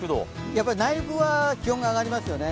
やっぱり内陸は気温が上がりますよね。